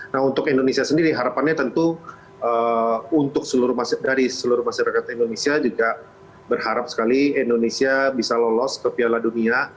nah untuk indonesia sendiri harapannya tentu dari seluruh masyarakat indonesia juga berharap sekali indonesia bisa lolos ke piala dunia